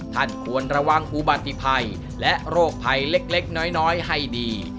ควรระวังอุบัติภัยและโรคภัยเล็กน้อยให้ดี